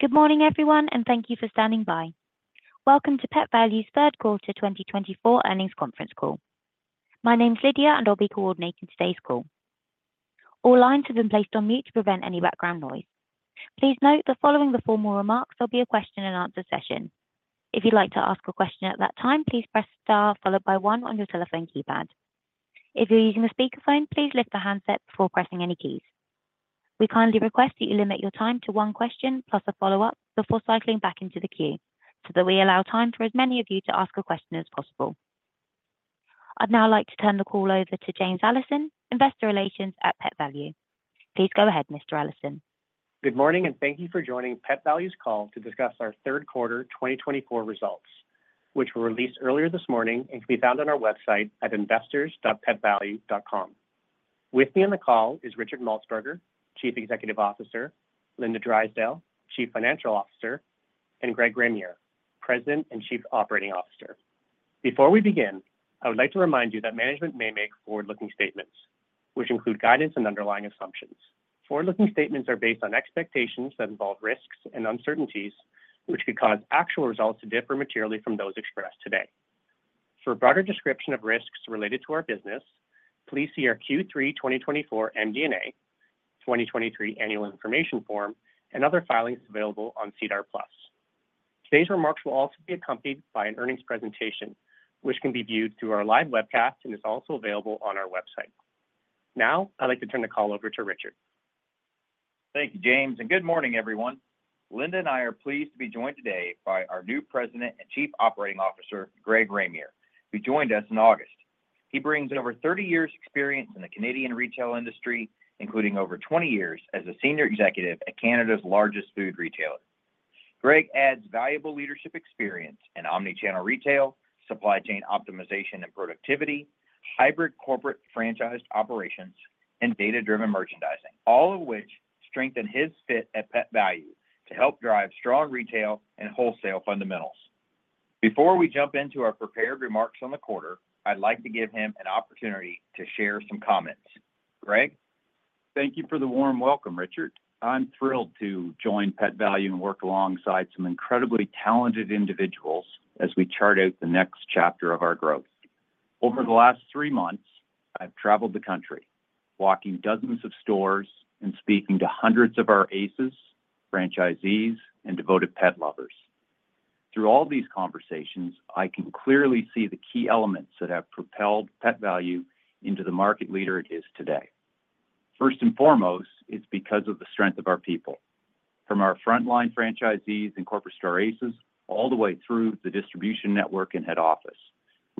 Good morning, everyone, and thank you for standing by. Welcome to Pet Valu's third quarter 2024 earnings conference call. My name's Lydia, and I'll be coordinating today's call. All lines have been placed on mute to prevent any background noise. Please note that following the formal remarks, there'll be a question-and-answer session. If you'd like to ask a question at that time, please press star followed by one on your telephone keypad. If you're using a speakerphone, please lift a handset before pressing any keys. We kindly request that you limit your time to one question plus a follow-up before cycling back into the queue so that we allow time for as many of you to ask a question as possible. I'd now like to turn the call over to James Allison, Investor Relations at Pet Valu. Please go ahead, Mr. Allison. Good morning, and thank you for joining Pet Valu's call to discuss our third quarter 2024 results, which were released earlier this morning and can be found on our website at investors.petvalu.com. With me on the call is Richard Maltsbarger, Chief Executive Officer, Linda Drysdale, Chief Financial Officer, and Greg Ramier, President and Chief Operating Officer. Before we begin, I would like to remind you that management may make forward-looking statements, which include guidance and underlying assumptions. Forward-looking statements are based on expectations that involve risks and uncertainties, which could cause actual results to differ materially from those expressed today. For a broader description of risks related to our business, please see our Q3 2024 MD&A 2023 Annual Information Form and other filings available on SEDAR+. Today's remarks will also be accompanied by an earnings presentation, which can be viewed through our live webcast and is also available on our website. Now, I'd like to turn the call over to Richard. Thank you James, and good morning, everyone. Linda and I are pleased to be joined today by our new President and Chief Operating Officer, Greg Ramier, who joined us in August. He brings over 30 years' experience in the Canadian retail industry, including over 20 years as a senior executive at Canada's largest food retailer. Greg adds valuable leadership experience in omnichannel retail, supply chain optimization and productivity, hybrid corporate franchised operations, and data-driven merchandising, all of which strengthen his fit at Pet Valu to help drive strong retail and wholesale fundamentals. Before we jump into our prepared remarks on the quarter, I'd like to give him an opportunity to share some comments. Greg? Thank you for the warm welcome, Richard. I'm thrilled to join Pet Valu and work alongside some incredibly talented individuals as we chart out the next chapter of our growth. Over the last three months, I've traveled the country, walking dozens of stores and speaking to hundreds of our ACEs, franchisees, and devoted pet lovers. Through all these conversations, I can clearly see the key elements that have propelled Pet Valu into the market leader it is today. First and foremost, it's because of the strength of our people. From our frontline franchisees and corporate store ACEs all the way through the distribution network and head office,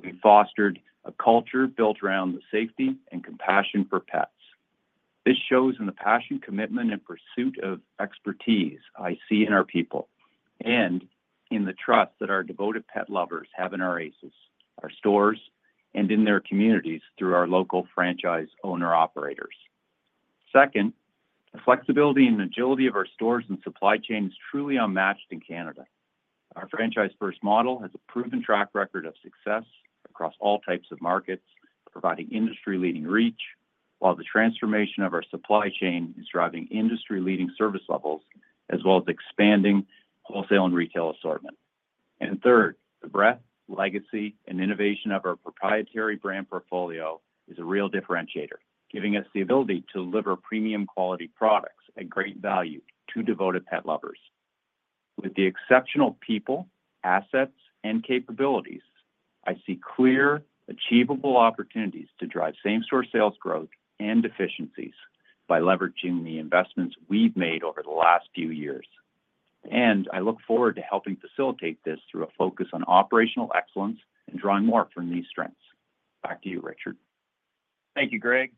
we've fostered a culture built around the safety and compassion for pets. This shows in the passion, commitment, and pursuit of expertise I see in our people and in the trust that our devoted pet lovers have in our ACEs, our stores, and in their communities through our local franchise owner-operators. Second, the flexibility and agility of our stores and supply chain is truly unmatched in Canada. Our franchise-first model has a proven track record of success across all types of markets, providing industry-leading reach, while the transformation of our supply chain is driving industry-leading service levels as well as expanding wholesale and retail assortment, and third, the breadth, legacy, and innovation of our proprietary brand portfolio is a real differentiator, giving us the ability to deliver premium-quality products at great value to devoted pet lovers. With the exceptional people, assets, and capabilities, I see clear, achievable opportunities to drive same-store sales growth and efficiencies by leveraging the investments we've made over the last few years, and I look forward to helping facilitate this through a focus on operational excellence and drawing more from these strengths. Back to you, Richard. Thank you Greg.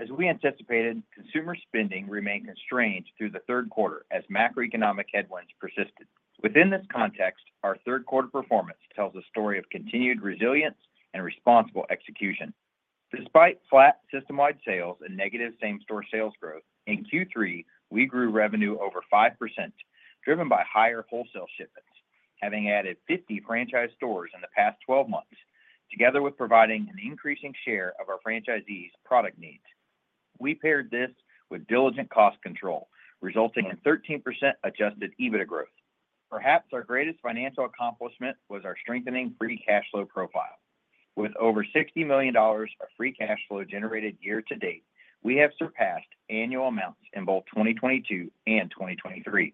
As we anticipated, consumer spending remained constrained through the third quarter as macroeconomic headwinds persisted. Within this context, our third-quarter performance tells a story of continued resilience and responsible execution. Despite flat system-wide sales and negative same-store sales growth, in Q3, we grew revenue over 5%, driven by higher wholesale shipments, having added 50 franchise stores in the past 12 months, together with providing an increasing share of our franchisees' product needs. We paired this with diligent cost control, resulting in 13% adjusted EBITDA growth. Perhaps our greatest financial accomplishment was our strengthening free cash flow profile. With over 60 million dollars of free cash flow generated year-to-date, we have surpassed annual amounts in both 2022 and 2023.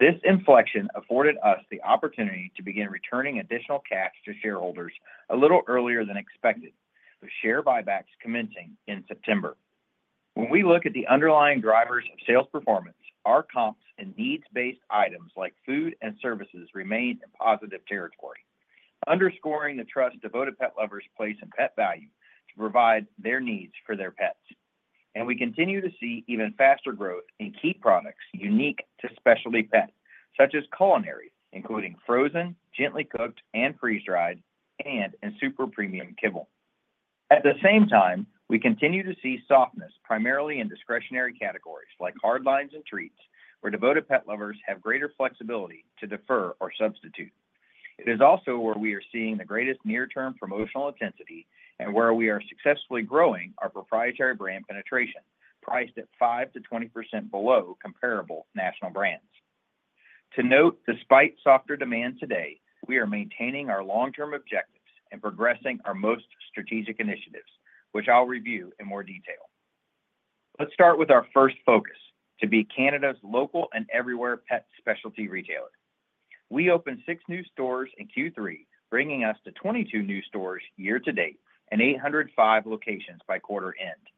This inflection afforded us the opportunity to begin returning additional cash to shareholders a little earlier than expected, with share buybacks commencing in September. When we look at the underlying drivers of sales performance, our comps and needs-based items like food and services remain in positive territory, underscoring the trust devoted pet lovers place in Pet Valu to provide their needs for their pets. And we continue to see even faster growth in key products unique to specialty pets, such as culinary, including frozen, gently cooked, and freeze-dried, and in super premium kibble. At the same time, we continue to see softness primarily in discretionary categories like hard lines and treats, where devoted pet lovers have greater flexibility to defer or substitute. It is also where we are seeing the greatest near-term promotional intensity and where we are successfully growing our proprietary brand penetration, priced at 5%-20% below comparable national brands. To note, despite softer demand today, we are maintaining our long-term objectives and progressing our most strategic initiatives, which I'll review in more detail. Let's start with our first focus: to be Canada's local and everywhere pet specialty retailer. We opened six new stores in Q3, bringing us to 22 new stores year-to-date and 805 locations by quarter end.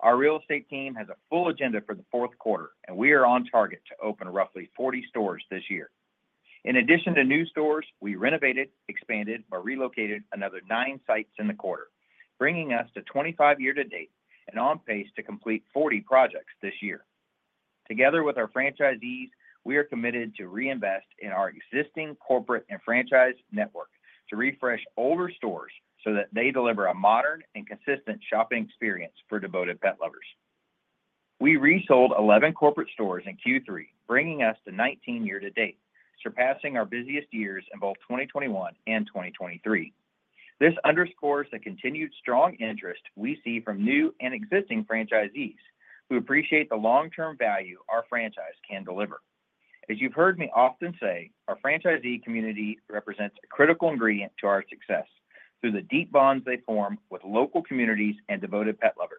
Our real estate team has a full agenda for the fourth quarter, and we are on target to open roughly 40 stores this year. In addition to new stores, we renovated, expanded, or relocated another nine sites in the quarter, bringing us to 25 year-to-date and on pace to complete 40 projects this year. Together with our franchisees, we are committed to reinvest in our existing corporate and franchise network to refresh older stores so that they deliver a modern and consistent shopping experience for devoted pet lovers. We resold 11 corporate stores in Q3, bringing us to 19 year-to-date, surpassing our busiest years in both 2021 and 2023. This underscores the continued strong interest we see from new and existing franchisees who appreciate the long-term value our franchise can deliver. As you've heard me often say, our franchisee community represents a critical ingredient to our success through the deep bonds they form with local communities and devoted pet lovers,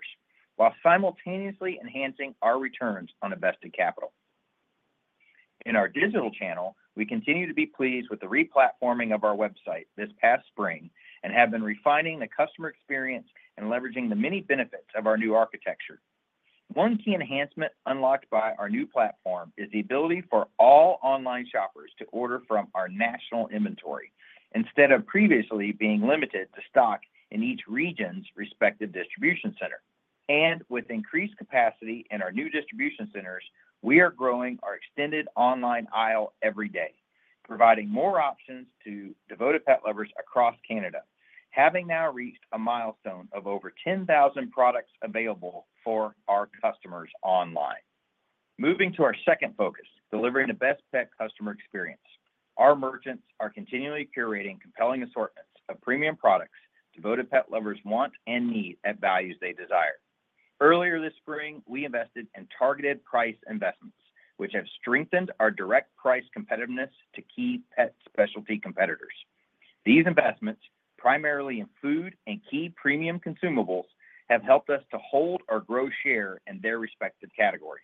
while simultaneously enhancing our returns on invested capital. In our digital channel, we continue to be pleased with the replatforming of our website this past spring and have been refining the customer experience and leveraging the many benefits of our new architecture. One key enhancement unlocked by our new platform is the ability for all online shoppers to order from our national inventory instead of previously being limited to stock in each region's respective distribution center. And with increased capacity in our new distribution centers, we are growing our extended online aisle every day, providing more options to devoted pet lovers across Canada, having now reached a milestone of over 10,000 products available for our customers online. Moving to our second focus: delivering the best pet customer experience. Our merchants are continually curating compelling assortments of premium products devoted pet lovers want and need at values they desire. Earlier this spring, we invested in targeted price investments, which have strengthened our direct price competitiveness to key pet specialty competitors. These investments, primarily in food and key premium consumables, have helped us to hold our gross share in their respective categories.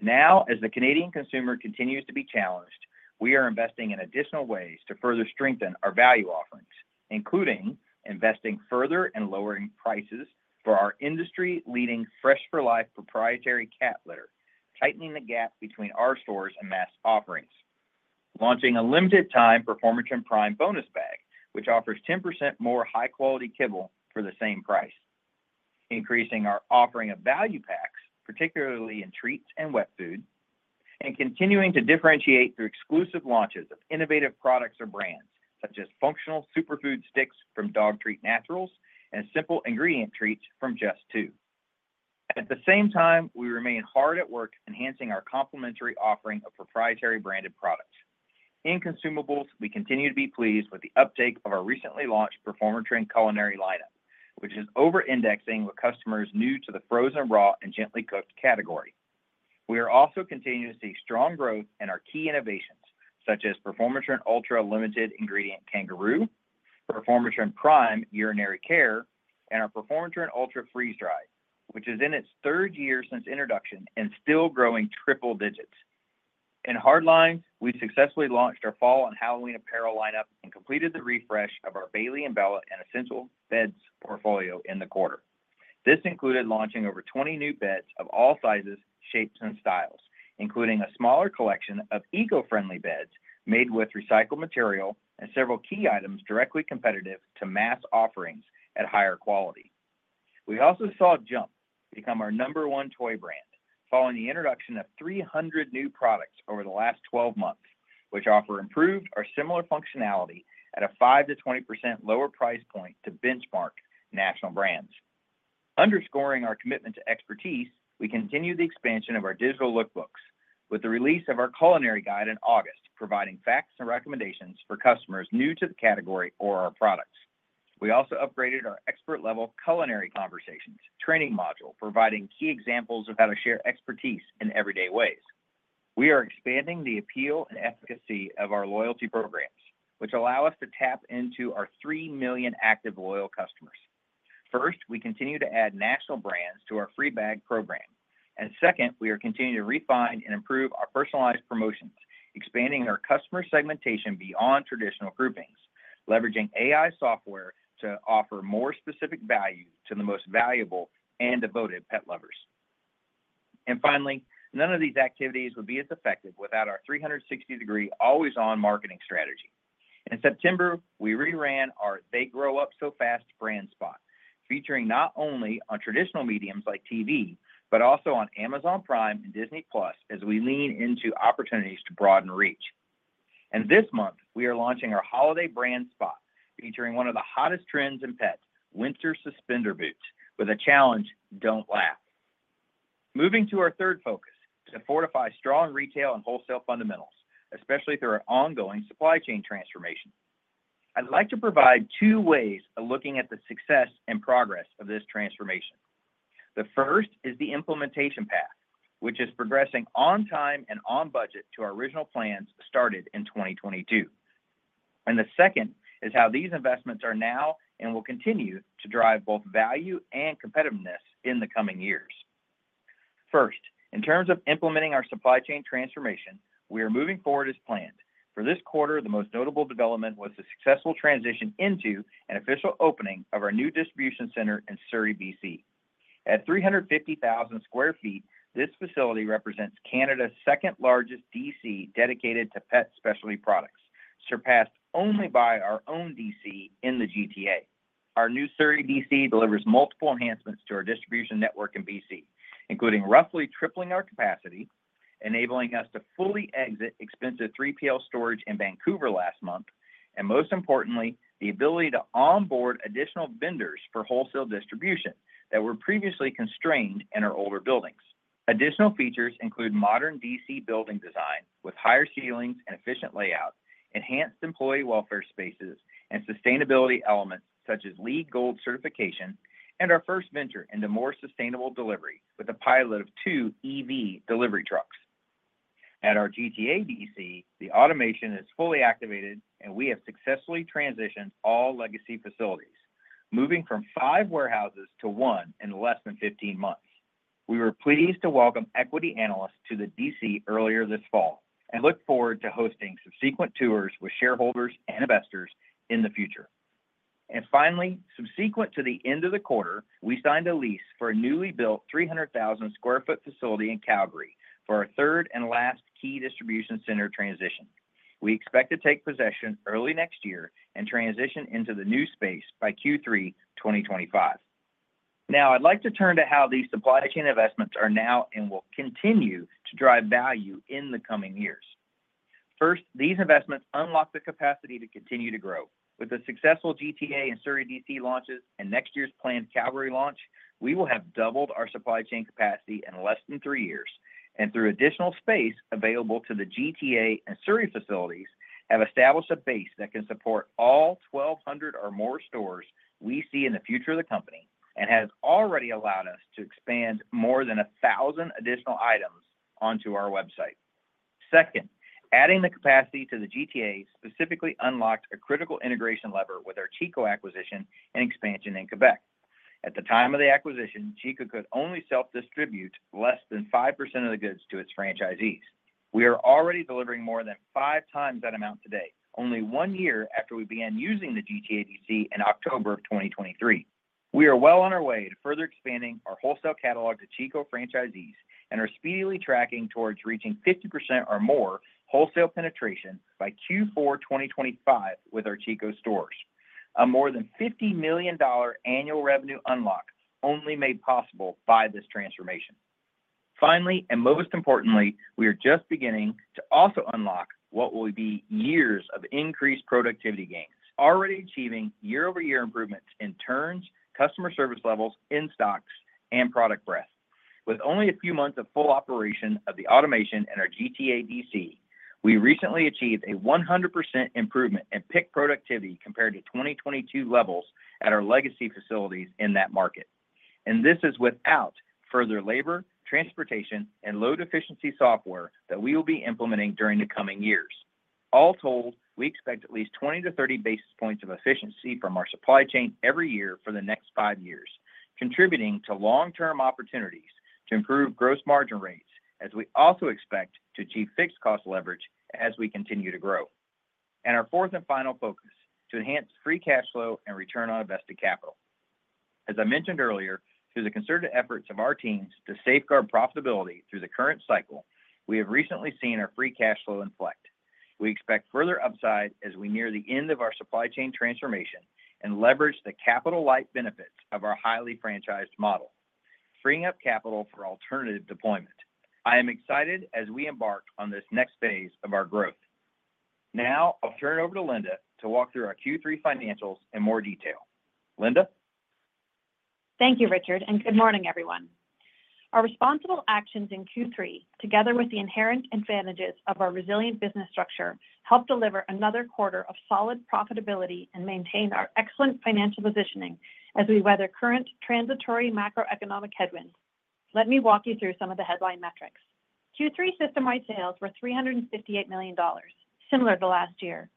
Now, as the Canadian consumer continues to be challenged, we are investing in additional ways to further strengthen our value offerings, including investing further in lowering prices for our industry-leading Fresh 4 Life proprietary cat litter, tightening the gap between our stores and mass offerings, launching a limited-time Performatrin Prime bonus bag, which offers 10% more high-quality kibble for the same price, increasing our offering of value packs, particularly in treats and wet food, and continuing to differentiate through exclusive launches of innovative products or brands such as functional superfood sticks from Dog Treat Naturals and simple ingredient treats from Just Two. At the same time, we remain hard at work enhancing our complementary offering of proprietary branded products. In consumables, we continue to be pleased with the uptake of our recently launched Performatrin Culinary lineup, which is over-indexing with customers new to the frozen, raw, and gently cooked category. We are also continuing to see strong growth in our key innovations such as Performatrin Ultra Limited Ingredient Kangaroo, Performatrin Prime Urinary Care, and our Performatrin Ultra Freeze-Dried, which is in its third year since introduction and still growing triple digits. In hard lines, we successfully launched our Fall and Halloween apparel lineup and completed the refresh of our Bailey & Bella and Essential Beds portfolio in the quarter. This included launching over 20 new beds of all sizes, shapes, and styles, including a smaller collection of eco-friendly beds made with recycled material and several key items directly competitive to mass offerings at higher quality. We also saw Jump become our number one toy brand, following the introduction of 300 new products over the last 12 months, which offer improved or similar functionality at a 5%-20% lower price point to benchmark national brands. Underscoring our commitment to expertise, we continue the expansion of our digital lookbooks, with the release of our culinary guide in August providing facts and recommendations for customers new to the category or our products. We also upgraded our expert-level culinary conversations training module, providing key examples of how to share expertise in everyday ways. We are expanding the appeal and efficacy of our loyalty programs, which allow us to tap into our 3 million active loyal customers. First, we continue to add national brands to our free bag program. And second, we are continuing to refine and improve our personalized promotions, expanding our customer segmentation beyond traditional groupings, leveraging AI software to offer more specific value to the most valuable and devoted pet lovers. And finally, none of these activities would be as effective without our 360-degree always-on marketing strategy. In September, we re-ran our They Grow Up So Fast brand spot, featuring not only on traditional media like TV, but also on Amazon Prime and Disney+ as we lean into opportunities to broaden reach. And this month, we are launching our holiday brand spot, featuring one of the hottest trends in pets, winter suspender boots, with a challenge, "Don't laugh." Moving to our third focus to fortify strong retail and wholesale fundamentals, especially through our ongoing supply chain transformation. I'd like to provide two ways of looking at the success and progress of this transformation. The first is the implementation path, which is progressing on time and on budget to our original plans started in 2022. The second is how these investments are now and will continue to drive both value and competitiveness in the coming years. First, in terms of implementing our supply chain transformation, we are moving forward as planned. For this quarter, the most notable development was the successful transition into and official opening of our new distribution center in Surrey, BC. At 350,000 sq ft, this facility represents Canada's second-largest DC dedicated to pet specialty products, surpassed only by our own DC in the GTA. Our new Surrey, BC delivers multiple enhancements to our distribution network in BC, including roughly tripling our capacity, enabling us to fully exit expensive 3PL storage in Vancouver last month, and most importantly, the ability to onboard additional vendors for wholesale distribution that were previously constrained in our older buildings. Additional features include modern DC building design with higher ceilings and efficient layout, enhanced employee welfare spaces, and sustainability elements such as LEED Gold certification, and our first venture into more sustainable delivery with a pilot of two EV delivery trucks. At our GTA DC, the automation is fully activated, and we have successfully transitioned all legacy facilities, moving from five warehouses to one in less than 15 months. We were pleased to welcome equity analysts to the DC earlier this fall and look forward to hosting subsequent tours with shareholders and investors in the future. Finally, subsequent to the end of the quarter, we signed a lease for a newly built 300,000 sq ft facility in Calgary for our third and last key distribution center transition. We expect to take possession early next year and transition into the new space by Q3 2025. Now, I'd like to turn to how these supply chain investments are now and will continue to drive value in the coming years. First, these investments unlock the capacity to continue to grow. With the successful GTA and Surrey DC launches and next year's planned Calgary launch, we will have doubled our supply chain capacity in less than three years. Through additional space available to the GTA and Surrey facilities, we have established a base that can support all 1,200 or more stores we see in the future of the company and has already allowed us to expand more than 1,000 additional items onto our website. Second, adding the capacity to the GTA specifically unlocked a critical integration lever with our Chico acquisition and expansion in Quebec. At the time of the acquisition, Chico could only self-distribute less than 5% of the goods to its franchisees. We are already delivering more than five times that amount today, only one year after we began using the GTA DC in October of 2023. We are well on our way to further expanding our wholesale catalog to Chico franchisees and are speedily tracking towards reaching 50% or more wholesale penetration by Q4 2025 with our Chico stores. A more than 50 million dollar annual revenue unlock only made possible by this transformation. Finally, and most importantly, we are just beginning to also unlock what will be years of increased productivity gains, already achieving year-over-year improvements in turns, customer service levels in-stock, and product breadth. With only a few months of full operation of the automation in our GTA DC, we recently achieved a 100% improvement in pick productivity compared to 2022 levels at our legacy facilities in that market, and this is without further labor, transportation, and load efficiency software that we will be implementing during the coming years. All told, we expect at least 20-30 basis points of efficiency from our supply chain every year for the next five years, contributing to long-term opportunities to improve gross margin rates as we also expect to achieve fixed cost leverage as we continue to grow. Our fourth and final focus is to enhance free cash flow and return on invested capital. As I mentioned earlier, through the concerted efforts of our teams to safeguard profitability through the current cycle, we have recently seen our free cash flow inflect. We expect further upside as we near the end of our supply chain transformation and leverage the capital-light benefits of our highly franchised model, freeing up capital for alternative deployment. I am excited as we embark on this next phase of our growth. Now, I'll turn it over to Linda to walk through our Q3 financials in more detail. Linda. Thank you, Richard. Good morning, everyone. Our responsible actions in Q3, together with the inherent advantages of our resilient business structure, help deliver another quarter of solid profitability and maintain our excellent financial positioning as we weather current transitory macroeconomic headwinds. Let me walk you through some of the headline metrics. Q3 system-wide sales were 358 million dollars, similar to last year.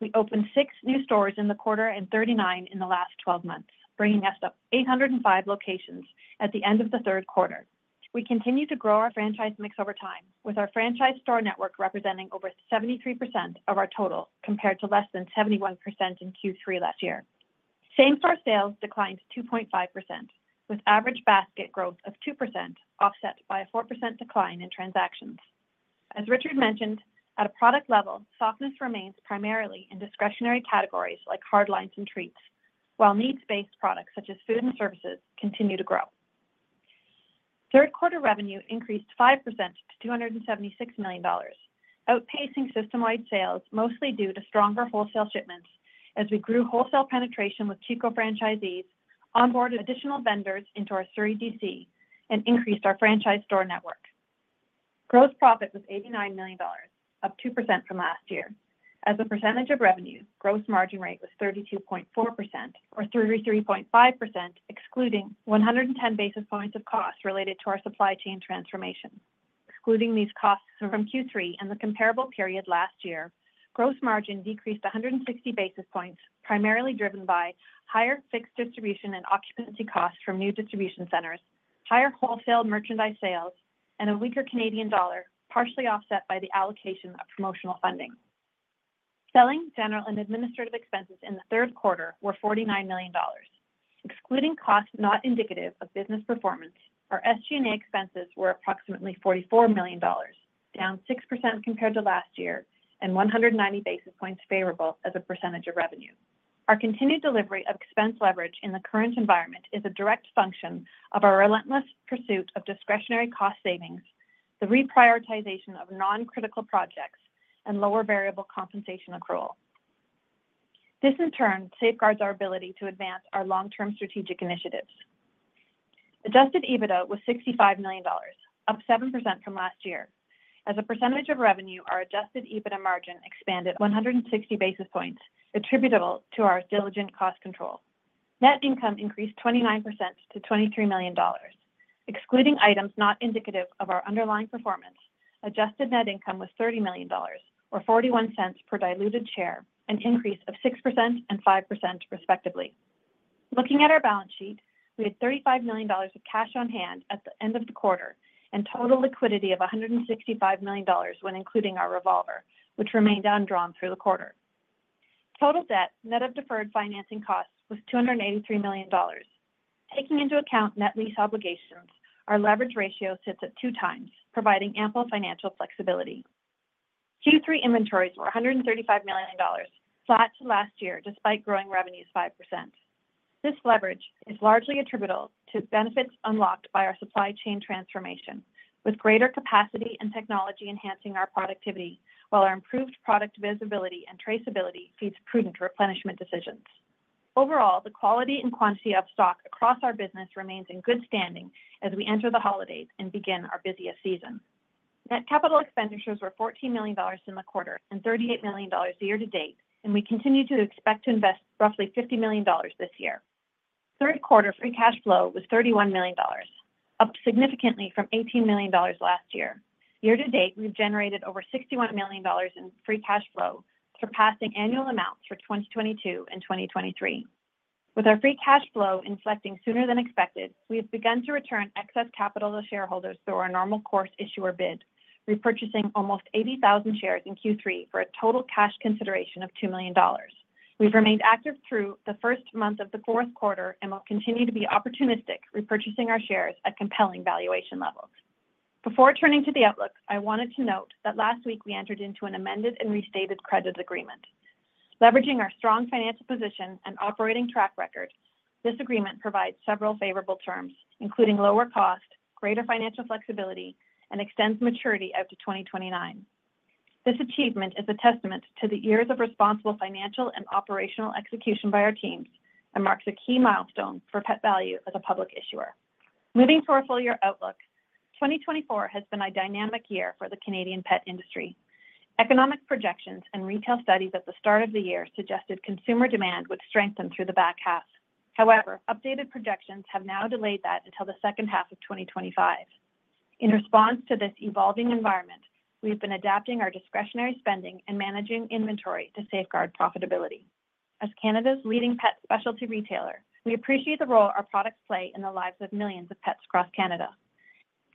We opened six new stores in the quarter and 39 in the last 12 months, bringing us to 805 locations at the end of the third quarter. We continue to grow our franchise mix over time, with our franchise store network representing over 73% of our total compared to less than 71% in Q3 last year. Same-store sales declined 2.5%, with average basket growth of 2% offset by a 4% decline in transactions. As Richard mentioned, at a product level, softness remains primarily in discretionary categories like hard lines and treats, while needs-based products such as food and services continue to grow. quarter revenue increased 5% to 276 million dollars, outpacing system-wide sales, mostly due to stronger wholesale shipments as we grew wholesale penetration with Chico franchisees, onboarded additional vendors into our Surrey DC, and increased our franchise store network. Gross profit was 89 million dollars, up 2% from last year. As a percentage of revenue, gross margin rate was 32.4%, or 33.5%, excluding 110 basis points of cost related to our supply chain transformation. Excluding these costs from Q3 and the comparable period last year, gross margin decreased 160 basis points, primarily driven by higher fixed distribution and occupancy costs from new distribution centers, higher wholesale merchandise sales, and a weaker Canadian dollar, partially offset by the allocation of promotional funding. Selling, general, and administrative expenses in the third quarter were 49 million dollars. Excluding costs not indicative of business performance, our SG&A expenses were approximately 44 million dollars, down 6% compared to last year and 190 basis points favorable as a percentage of revenue. Our continued delivery of expense leverage in the current environment is a direct function of our relentless pursuit of discretionary cost savings, the reprioritization of non-critical projects, and lower variable compensation accrual. This, in turn, safeguards our ability to advance our long-term strategic initiatives. Adjusted EBITDA was 65 million dollars, up 7% from last year. As a percentage of revenue, our Adjusted EBITDA margin expanded 160 basis points, attributable to our diligent cost control. Net income increased 29% to 23 million dollars. Excluding items not indicative of our underlying performance, adjusted net income was 30 million dollars, or 0.41 per diluted share, an increase of 6% and 5%, respectively. Looking at our balance sheet, we had 35 million dollars of cash on hand at the end of the quarter and total liquidity of 165 million dollars when including our revolver, which remained undrawn through the quarter. Total debt, net of deferred financing costs, was 283 million dollars. Taking into account net lease obligations, our leverage ratio sits at two times, providing ample financial flexibility. Q3 inventories were 135 million dollars, flat to last year despite growing revenues 5%. This leverage is largely attributable to benefits unlocked by our supply chain transformation, with greater capacity and technology enhancing our productivity, while our improved product visibility and traceability feeds prudent replenishment decisions. Overall, the quality and quantity of stock across our business remains in good standing as we enter the holidays and begin our busiest season. Net capital expenditures were 14 million dollars in the quarter and 38 million dollars year to date, and we continue to expect to invest roughly 50 million dollars this year. Third quarter free cash flow was 31 million dollars, up significantly from 18 million dollars last year. Year to date, we've generated over 61 million dollars in free cash flow, surpassing annual amounts for 2022 and 2023. With our free cash flow inflecting sooner than expected, we have begun to return excess capital to shareholders through our Normal Course Issuer Bid, repurchasing almost 80,000 shares in Q3 for a total cash consideration of 2 million dollars. We've remained active through the first month of the fourth quarter and will continue to be opportunistic, repurchasing our shares at compelling valuation levels. Before turning to the outlook, I wanted to note that last week we entered into an amended and restated credit agreement. Leveraging our strong financial position and operating track record, this agreement provides several favorable terms, including lower cost, greater financial flexibility, and extends maturity out to 2029. This achievement is a testament to the years of responsible financial and operational execution by our teams and marks a key milestone for Pet Valu as a public issuer. Moving to our full-year outlook, 2024 has been a dynamic year for the Canadian pet industry. Economic projections and retail studies at the start of the year suggested consumer demand would strengthen through the back half. However, updated projections have now delayed that until the second half of 2025. In response to this evolving environment, we have been adapting our discretionary spending and managing inventory to safeguard profitability. As Canada's leading pet specialty retailer, we appreciate the role our products play in the lives of millions of pets across Canada.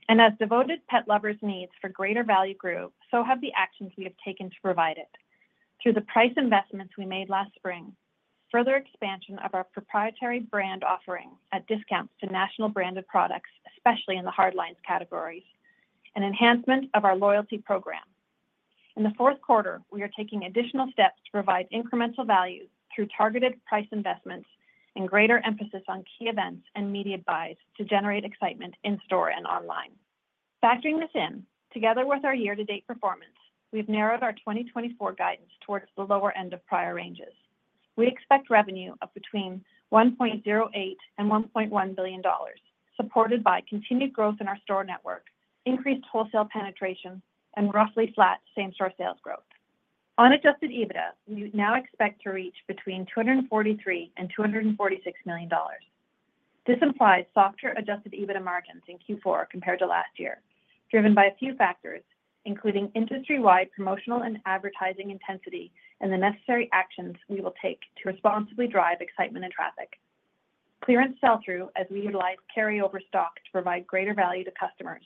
As devoted pet lovers' needs for greater value grew, so have the actions we have taken to provide it, through the price investments we made last spring, further expansion of our proprietary brand offering at discounts to national branded products, especially in the hard lines categories, and enhancement of our loyalty program. In the fourth quarter, we are taking additional steps to provide incremental value through targeted price investments and greater emphasis on key events and media buys to generate excitement in store and online. Factoring this in, together with our year-to-date performance, we have narrowed our 2024 guidance towards the lower end of prior ranges. We expect revenue of between 1.08 billion and 1.1 billion dollars, supported by continued growth in our store network, increased wholesale penetration, and roughly flat same-store sales growth. On Adjusted EBITDA, we now expect to reach between 243 million and 246 million dollars. This implies softer Adjusted EBITDA margins in Q4 compared to last year, driven by a few factors, including industry-wide promotional and advertising intensity and the necessary actions we will take to responsibly drive excitement and traffic, clearance sell-through as we utilize carryover stock to provide greater value to customers,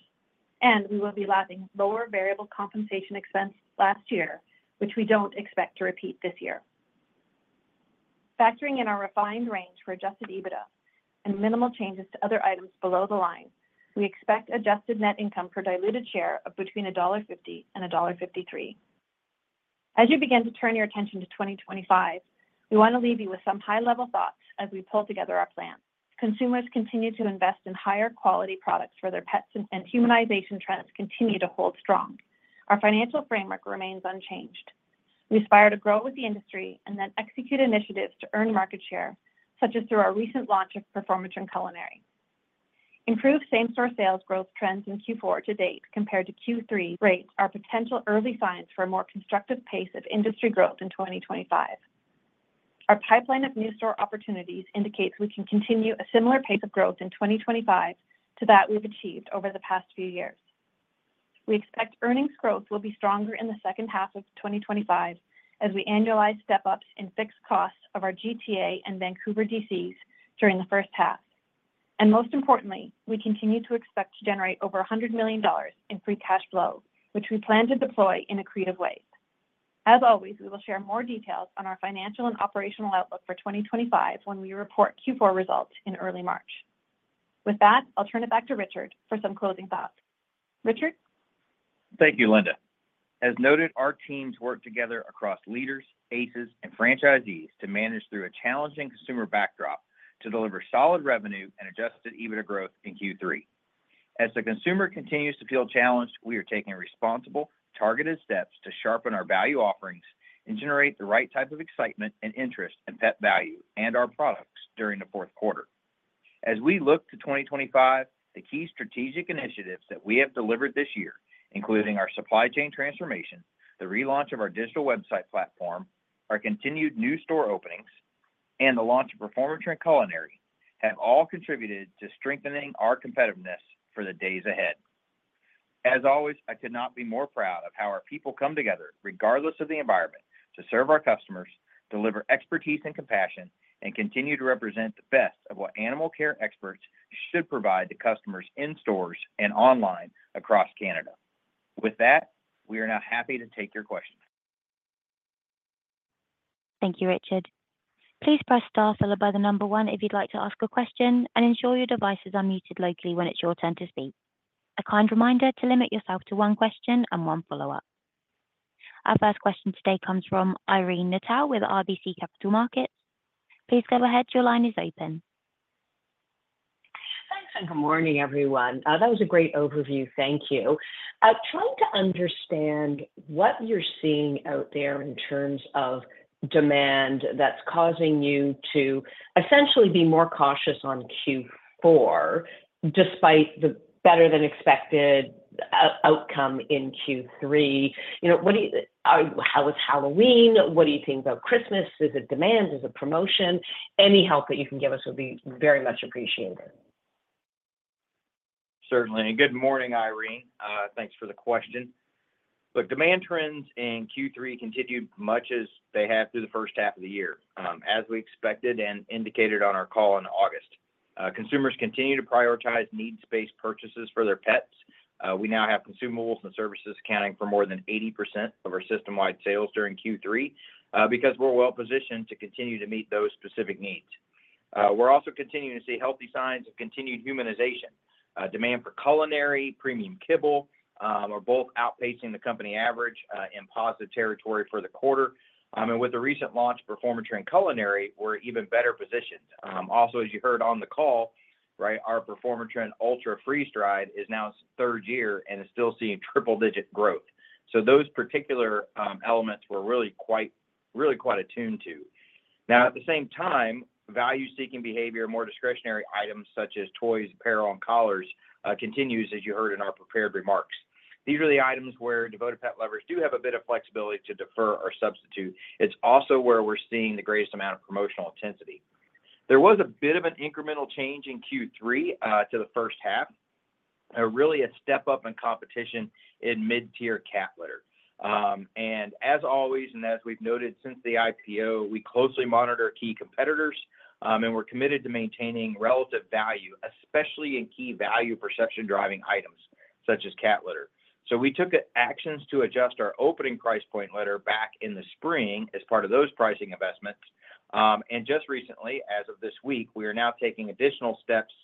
and we will be lapping lower variable compensation expense last year, which we don't expect to repeat this year. Factoring in our refined range for Adjusted EBITDA and minimal changes to other items below the line, we expect adjusted net income per diluted share of between dollar 1.50 and dollar 1.53. As you begin to turn your attention to 2025, we want to leave you with some high-level thoughts as we pull together our plan. Consumers continue to invest in higher quality products for their pets, and humanization trends continue to hold strong. Our financial framework remains unchanged. We aspire to grow with the industry and then execute initiatives to earn market share, such as through our recent launch of Performatrin and Culinary. Improved same-store sales growth trends in Q4 to date compared to Q3 rate, our potential early signs for a more constructive pace of industry growth in 2025. Our pipeline of new store opportunities indicates we can continue a similar pace of growth in 2025 to that we've achieved over the past few years. We expect earnings growth will be stronger in the second half of 2025 as we annualize step-ups in fixed costs of our GTA and Vancouver DCs during the first half, and most importantly, we continue to expect to generate over 100 million dollars in free cash flow, which we plan to deploy in a creative way. As always, we will share more details on our financial and operational outlook for 2025 when we report Q4 results in early March. With that, I'll turn it back to Richard for some closing thoughts. Richard? Thank you, Linda. As noted, our teams work together across leaders, ACEs, and franchisees to manage through a challenging consumer backdrop to deliver solid revenue and adjusted EBITDA growth in Q3. As the consumer continues to feel challenged, we are taking responsible, targeted steps to sharpen our value offerings and generate the right type of excitement and interest in Pet Valu and our products during the fourth quarter. As we look to 2025, the key strategic initiatives that we have delivered this year, including our supply chain transformation, the relaunch of our digital website platform, our continued new store openings, and the launch of Performatrin and Culinary, have all contributed to strengthening our competitiveness for the days ahead. As always, I could not be more proud of how our people come together, regardless of the environment, to serve our customers, deliver expertise and compassion, and continue to represent the best of what animal care experts should provide to customers in stores and online across Canada. With that, we are now happy to take your questions. Thank you, Richard. Please press star followed by the number one if you'd like to ask a question, and ensure your device is unmuted locally when it's your turn to speak. A kind reminder to limit yourself to one question and one follow-up. Our first question today comes from Irene Nattel with RBC Capital Markets. Please go ahead. Your line is open. Thanks, and good morning, everyone. That was a great overview. Thank you. Trying to understand what you're seeing out there in terms of demand that's causing you to essentially be more cautious on Q4, despite the better-than-expected outcome in Q3. How was Halloween? What do you think about Christmas? Is it demand? Is it promotion? Any help that you can give us would be very much appreciated. Certainly. And good morning, Irene. Thanks for the question. Look, demand trends in Q3 continued much as they have through the first half of the year, as we expected and indicated on our call in August. Consumers continue to prioritize needs-based purchases for their pets. We now have consumables and services accounting for more than 80% of our system-wide sales during Q3 because we're well-positioned to continue to meet those specific needs. We're also continuing to see healthy signs of continued humanization. Demand for culinary, premium kibble, are both outpacing the company average in positive territory for the quarter, and with the recent launch of Performatrin and Culinary, we're even better positioned. Also, as you heard on the call, our Performatrin Ultra freeze-dried is now its third year and is still seeing triple-digit growth, so those particular elements were really quite attuned to. Now, at the same time, value-seeking behavior, more discretionary items such as toys, apparel, and collars continues, as you heard in our prepared remarks. These are the items where devoted pet lovers do have a bit of flexibility to defer or substitute. It's also where we're seeing the greatest amount of promotional intensity. There was a bit of an incremental change in Q3 to the first half, really a step-up in competition in mid-tier cat litter, and as always, and as we've noted since the IPO, we closely monitor key competitors, and we're committed to maintaining relative value, especially in key value perception-driving items such as cat litter, so we took actions to adjust our opening price point litter back in the spring as part of those pricing investments, and just recently, as of this week, we are now taking additional steps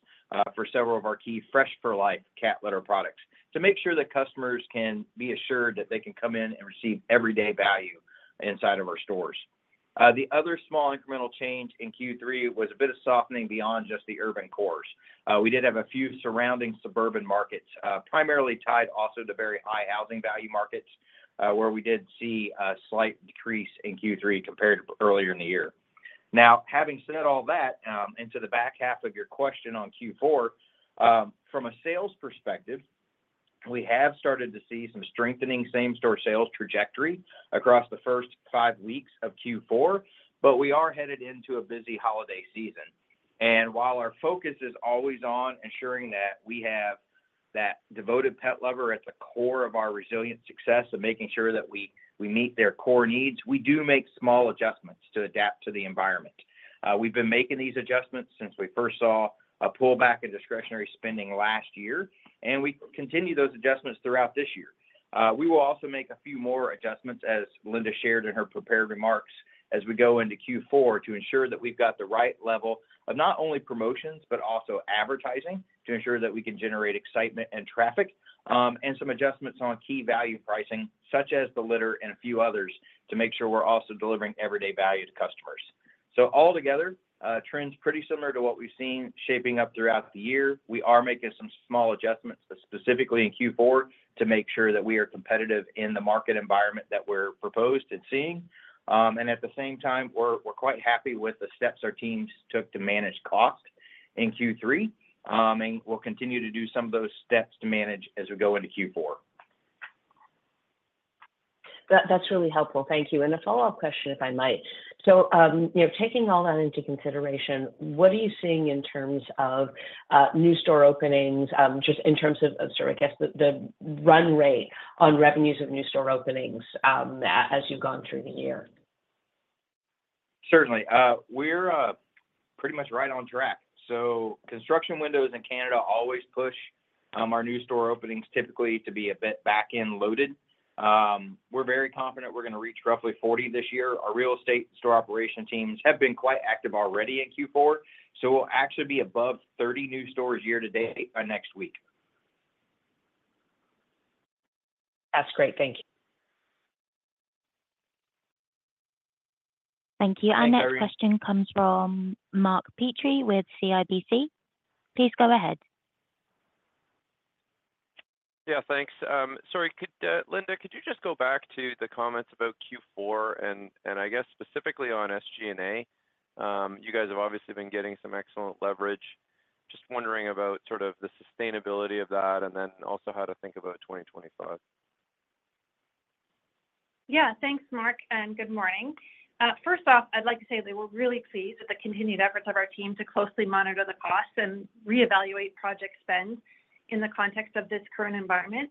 for several of our key Fresh 4 Life cat litter products to make sure that customers can be assured that they can come in and receive everyday value inside of our stores. The other small incremental change in Q3 was a bit of softening beyond just the urban cores. We did have a few surrounding suburban markets, primarily tied also to very high housing value markets, where we did see a slight decrease in Q3 compared to earlier in the year. Now, having said all that, into the back half of your question on Q4, from a sales perspective, we have started to see some strengthening same-store sales trajectory across the first five weeks of Q4, but we are headed into a busy holiday season, and while our focus is always on ensuring that we have that devoted pet lover at the core of our resilient success and making sure that we meet their core needs, we do make small adjustments to adapt to the environment. We've been making these adjustments since we first saw a pullback in discretionary spending last year, and we continue those adjustments throughout this year. We will also make a few more adjustments, as Linda shared in her prepared remarks, as we go into Q4 to ensure that we've got the right level of not only promotions, but also advertising to ensure that we can generate excitement and traffic, and some adjustments on key value pricing, such as the litter and a few others, to make sure we're also delivering everyday value to customers, so altogether, trends pretty similar to what we've seen shaping up throughout the year. We are making some small adjustments, specifically in Q4, to make sure that we are competitive in the market environment that we're proposed and seeing, and at the same time, we're quite happy with the steps our teams took to manage cost in Q3, and we'll continue to do some of those steps to manage as we go into Q4. That's really helpful. Thank you. And a follow-up question, if I might. So taking all that into consideration, what are you seeing in terms of new store openings, just in terms of, I guess, the run rate on revenues of new store openings as you've gone through the year? Certainly. We're pretty much right on track. So construction windows in Canada always push our new store openings typically to be a bit back-end loaded. We're very confident we're going to reach roughly 40 this year. Our real estate store operation teams have been quite active already in Q4, so we'll actually be above 30 new stores year to date by next week. That's great. Thank you. Thank you. And that question comes from Mark Petrie with CIBC. Please go ahead. Yeah, thanks. Sorry, Linda, could you just go back to the comments about Q4 and, I guess, specifically on SG&A? You guys have obviously been getting some excellent leverage. Just wondering about sort of the sustainability of that and then also how to think about 2025. Yeah, thanks, Mark, and good morning. First off, I'd like to say that we're really pleased with the continued efforts of our team to closely monitor the costs and reevaluate project spend in the context of this current environment.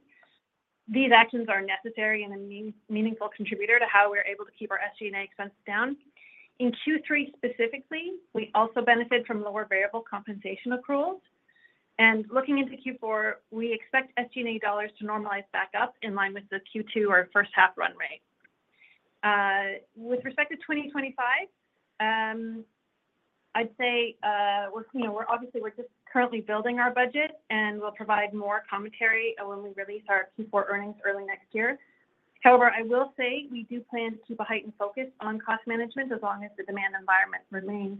These actions are necessary and a meaningful contributor to how we're able to keep our SG&A expenses down. In Q3 specifically, we also benefited from lower variable compensation accruals, and looking into Q4, we expect SG&A dollars to normalize back up in line with the Q2 or first-half run rate. With respect to 2025, I'd say we're obviously just currently building our budget, and we'll provide more commentary when we release our Q4 earnings early next year. However, I will say we do plan to keep a heightened focus on cost management as long as the demand environment remains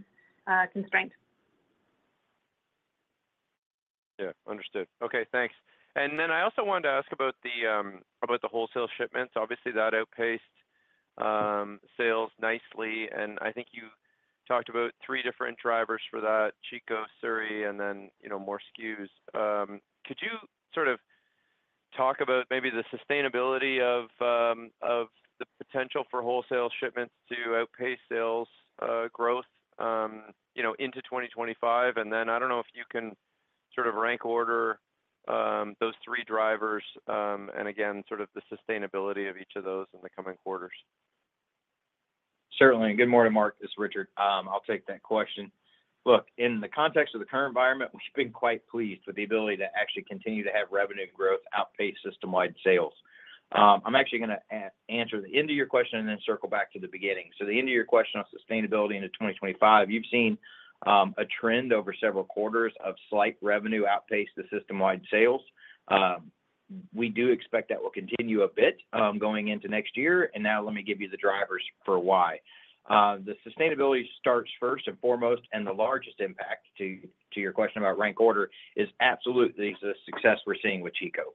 constrained. Yeah, understood. Okay, thanks. And then I also wanted to ask about the wholesale shipments. Obviously, that outpaced sales nicely. And I think you talked about three different drivers for that: Chico, Surrey, and then more SKUs. Could you sort of talk about maybe the sustainability of the potential for wholesale shipments to outpace sales growth into 2025? And then I don't know if you can sort of rank order those three drivers and, again, sort of the sustainability of each of those in the coming quarters. Certainly. And good morning, Mark. Richard, I'll take that question. Look, in the context of the current environment, we've been quite pleased with the ability to actually continue to have revenue growth outpace system-wide sales. I'm actually going to answer the end of your question and then circle back to the beginning. So the end of your question on sustainability into 2025, you've seen a trend over several quarters of slight revenue outpacing the system-wide sales. We do expect that will continue a bit going into next year, and now let me give you the drivers for why. The sustainability starts first and foremost, and the largest impact to your question about rank order is absolutely the success we're seeing with Chico.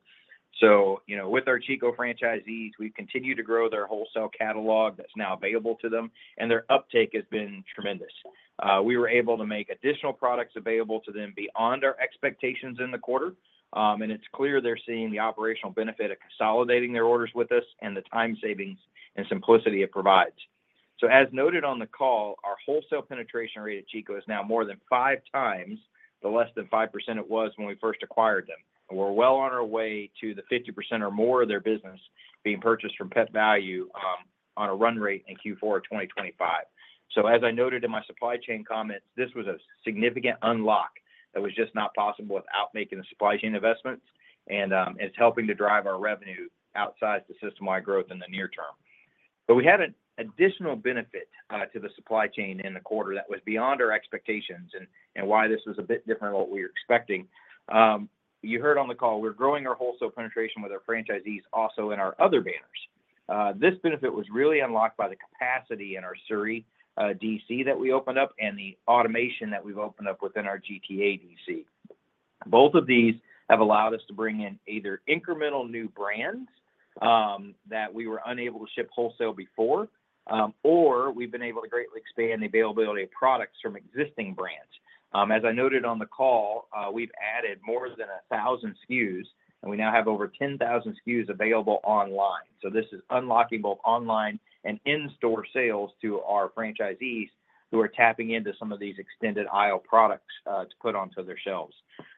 So with our Chico franchisees, we've continued to grow their wholesale catalog that's now available to them, and their uptake has been tremendous. We were able to make additional products available to them beyond our expectations in the quarter, and it's clear they're seeing the operational benefit of consolidating their orders with us and the time savings and simplicity it provides. So as noted on the call, our wholesale penetration rate at Chico is now more than five times the less than 5% it was when we first acquired them. And we're well on our way to the 50% or more of their business being purchased from Pet Valu on a run rate in Q4 of 2025. So as I noted in my supply chain comments, this was a significant unlock that was just not possible without making the supply chain investments, and it's helping to drive our revenue outside the system-wide growth in the near term. But we had an additional benefit to the supply chain in the quarter that was beyond our expectations, and why this was a bit different than what we were expecting. You heard on the call, we're growing our wholesale penetration with our franchisees also in our other banners. This benefit was really unlocked by the capacity in our Surrey, DC, that we opened up and the automation that we've opened up within our GTA, DC. Both of these have allowed us to bring in either incremental new brands that we were unable to ship wholesale before, or we've been able to greatly expand the availability of products from existing brands. As I noted on the call, we've added more than 1,000 SKUs, and we now have over 10,000 SKUs available online. So this is unlocking both online and in-store sales to our franchisees who are tapping into some of these extended aisle products to put onto their shelves.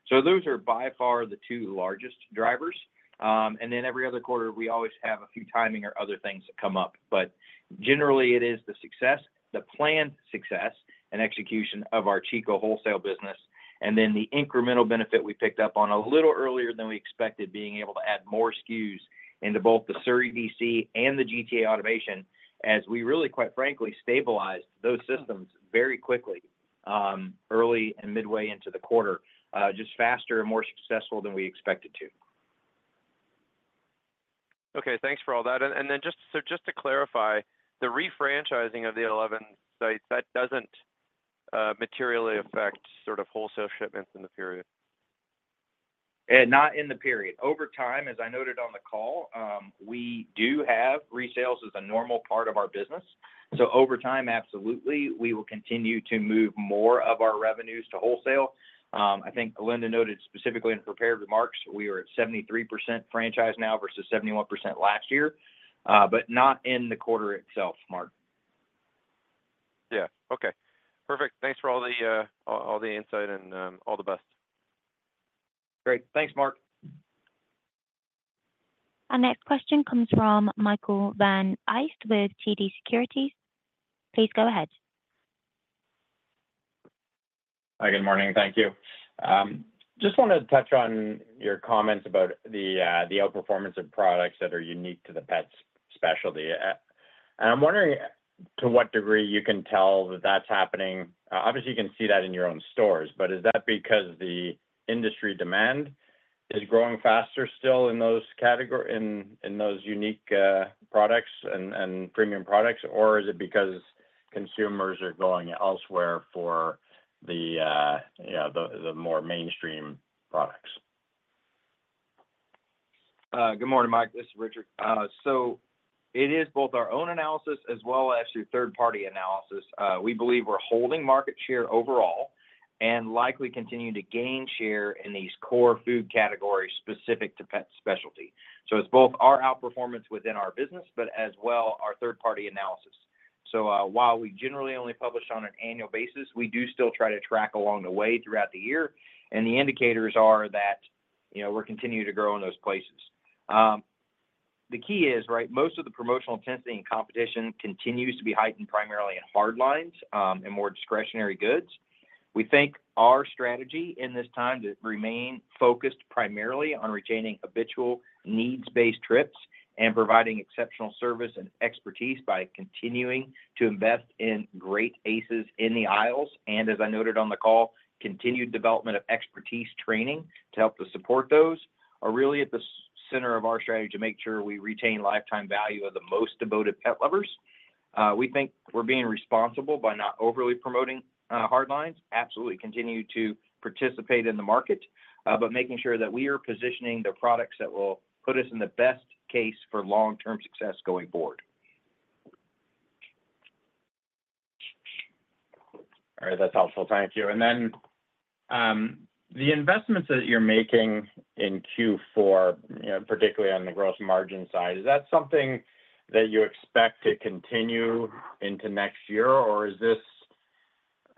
So those are by far the two largest drivers. And then every other quarter, we always have a few timing or other things that come up. But generally, it is the success, the planned success, and execution of our Chico wholesale business, and then the incremental benefit we picked up on a little earlier than we expected, being able to add more SKUs into both the Surrey DC and the GTA automation, as we really, quite frankly, stabilized those systems very quickly, early and midway into the quarter, just faster and more successful than we expected to. Okay, thanks for all that. And then just to clarify, the refranchising of the 11 sites, that doesn't materially affect sort of wholesale shipments in the period? Not in the period. Over time, as I noted on the call, we do have resales as a normal part of our business. So over time, absolutely, we will continue to move more of our revenues to wholesale. I think Linda noted specifically in prepared remarks, we are at 73% franchise now versus 71% last year, but not in the quarter itself, Mark. Yeah. Okay. Perfect. Thanks for all the insight and all the best. Great. Thanks, Mark. Our next question comes from Michael Van Aelst with TD Securities. Please go ahead. Hi, good morning. Thank you. Just wanted to touch on your comments about the outperformance of products that are unique to the pet specialty. And I'm wondering to what degree you can tell that that's happening. Obviously, you can see that in your own stores, but is that because the industry demand is growing faster still in those unique products and premium products, or is it because consumers are going elsewhere for the more mainstream products? Good morning, Mark. This is Richard. So it is both our own analysis as well as your third-party analysis. We believe we're holding market share overall and likely continue to gain share in these core food categories specific to pet specialty. So it's both our outperformance within our business, but as well our third-party analysis. So while we generally only publish on an annual basis, we do still try to track along the way throughout the year, and the indicators are that we're continuing to grow in those places. The key is, right, most of the promotional intensity and competition continues to be heightened primarily in hard lines and more discretionary goods. We think our strategy in this time to remain focused primarily on retaining habitual needs-based trips and providing exceptional service and expertise by continuing to invest in great aces in the aisles. And as I noted on the call, continued development of expertise training to help support those are really at the center of our strategy to make sure we retain lifetime value of the most devoted pet lovers. We think we're being responsible by not overly promoting hard lines. Absolutely continue to participate in the market, but making sure that we are positioning the products that will put us in the best case for long-term success going forward. All right. That's helpful. Thank you. And then the investments that you're making in Q4, particularly on the gross margin side, is that something that you expect to continue into next year, or is this,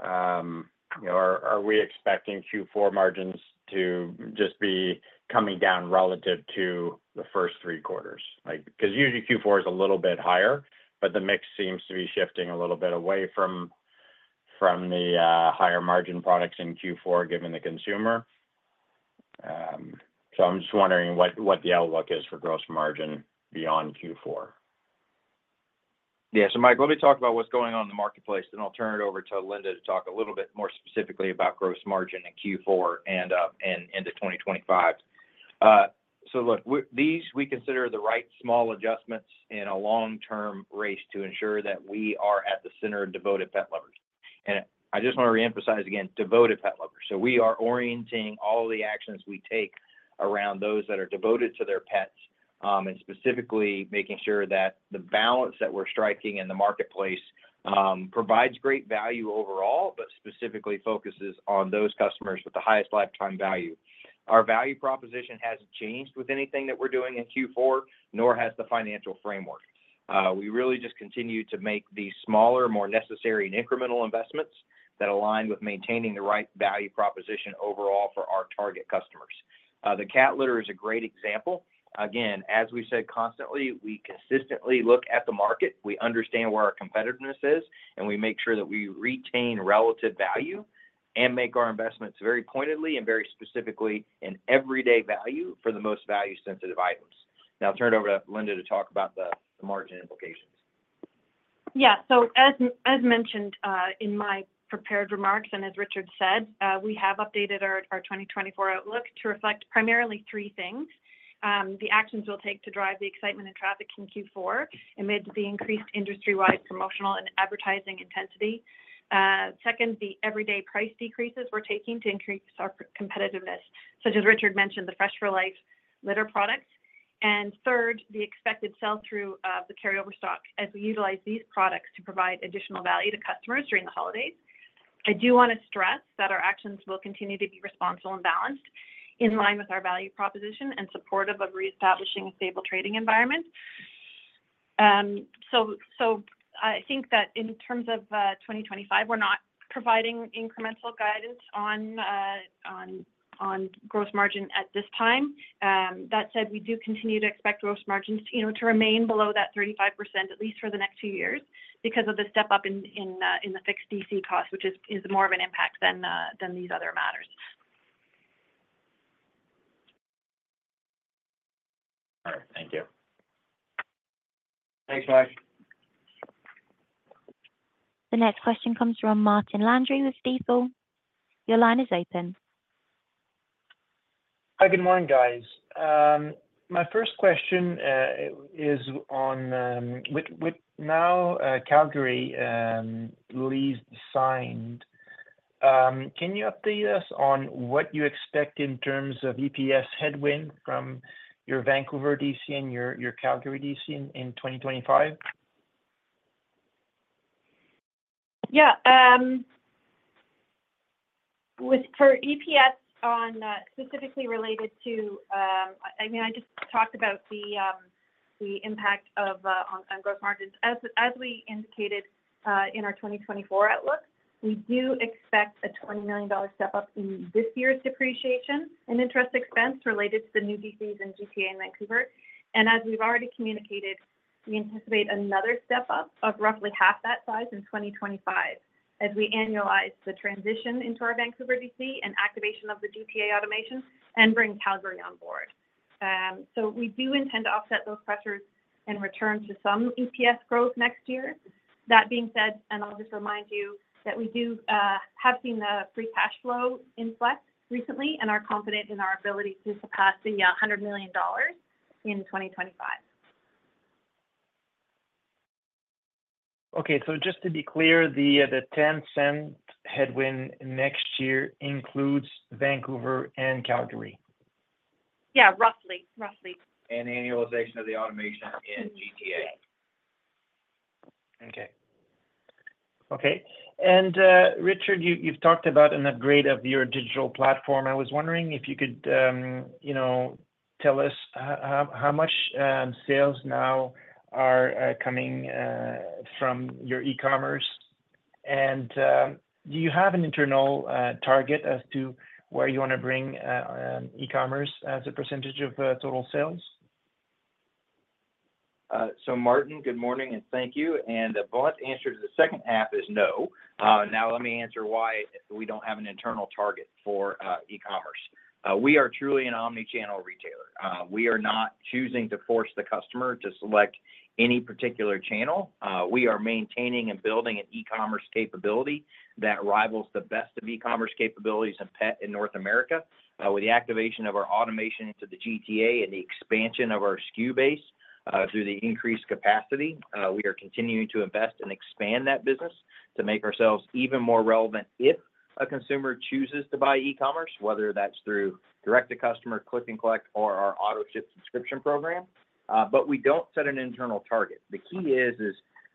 are we expecting Q4 margins to just be coming down relative to the first three quarters? Because usually Q4 is a little bit higher, but the mix seems to be shifting a little bit away from the higher margin products in Q4 given the consumer. So I'm just wondering what the outlook is for gross margin beyond Q4. Yeah. So Mike, let me talk about what's going on in the marketplace, then I'll turn it over to Linda to talk a little bit more specifically about gross margin in Q4 and into 2025. So look, these we consider the right small adjustments in a long-term race to ensure that we are at the center of devoted pet lovers, and I just want to reemphasize again, devoted pet lovers. So we are orienting all the actions we take around those that are devoted to their pets and specifically making sure that the balance that we're striking in the marketplace provides great value overall, but specifically focuses on those customers with the highest lifetime value. Our value proposition hasn't changed with anything that we're doing in Q4, nor has the financial framework. We really just continue to make these smaller, more necessary, and incremental investments that align with maintaining the right value proposition overall for our target customers. The cat litter is a great example. Again, as we said constantly, we consistently look at the market, we understand where our competitiveness is, and we make sure that we retain relative value and make our investments very pointedly and very specifically in everyday value for the most value-sensitive items. Now I'll turn it over to Linda to talk about the margin implications. Yeah. As mentioned in my prepared remarks and as Richard said, we have updated our 2024 outlook to reflect primarily three things. The actions we'll take to drive the excitement and traffic in Q4 amid the increased industry-wide promotional and advertising intensity. Second, the everyday price decreases we're taking to increase our competitiveness, such as Richard mentioned, the Fresh 4 Life litter products. And third, the expected sell-through of the carryover stock as we utilize these products to provide additional value to customers during the holidays. I do want to stress that our actions will continue to be responsible and balanced in line with our value proposition and supportive of reestablishing a stable trading environment. I think that in terms of 2025, we're not providing incremental guidance on gross margin at this time. That said, we do continue to expect gross margins to remain below that 35%, at least for the next few years, because of the step-up in the fixed DC cost, which is more of an impact than these other matters. All right. Thank you. Thanks, Mike. The next question comes from Martin Landry with Stifel. Your line is open. Hi, good morning, guys. My first question is on the Calgary lease signed. Can you update us on what you expect in terms of EPS headwind from your Vancouver DC and your Calgary DC in 2025? Yeah. For EPS specifically related to I mean, I just talked about the impact on gross margins. As we indicated in our 2024 outlook, we do expect a 20 million dollar step-up in this year's depreciation and interest expense related to the new DCs in the GTA and Vancouver. And as we've already communicated, we anticipate another step-up of roughly half that size in 2025 as we annualize the transition into our Vancouver DC and activation of the GTA automation and bring Calgary on board. So we do intend to offset those pressures and return to some EPS growth next year. That being said, and I'll just remind you that we do have seen the free cash flow inflect recently and are confident in our ability to surpass 100 million dollars in 2025. Okay. So just to be clear, the 10-cent headwind next year includes Vancouver and Calgary? Yeah, roughly. Roughly. And annualization of the automation in GTA. Okay. Okay. And Richard, you've talked about an upgrade of your digital platform. I was wondering if you could tell us how much sales now are coming from your e-commerce. Do you have an internal target as to where you want to bring e-commerce as a percentage of total sales? Martin, good morning and thank you. The blunt answer to the second half is no. Now let me answer why we don't have an internal target for e-commerce. We are truly an omnichannel retailer. We are not choosing to force the customer to select any particular channel. We are maintaining and building an e-commerce capability that rivals the best of e-commerce capabilities in North America. With the activation of our automation to the GTA and the expansion of our SKU base through the increased capacity, we are continuing to invest and expand that business to make ourselves even more relevant if a consumer chooses to buy e-commerce, whether that's through direct-to-customer click and collect or our auto-ship subscription program. We don't set an internal target. The key is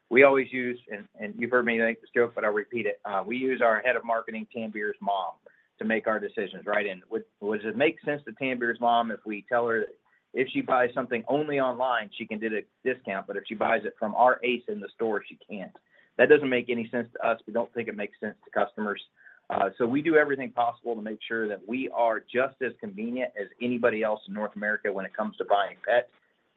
we always use - and you've heard me make this joke, but I'll repeat it - we use our head of marketing, Tanbir Grover's mom, to make our decisions, right? And would it make sense to Tanbir Grover's mom if we tell her that if she buys something only online, she can get a discount, but if she buys it from our ACE in the store, she can't? That doesn't make any sense to us. We don't think it makes sense to customers. So we do everything possible to make sure that we are just as convenient as anybody else in North America when it comes to buying pets